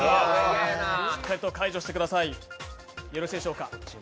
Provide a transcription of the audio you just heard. しっかりと解除してください。